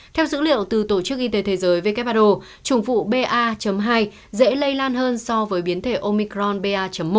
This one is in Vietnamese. theo dữ liệu từ tổ chức y tế thế giới who trùng vụ ba hai dễ lây lan hơn so với biến thể omicron ba một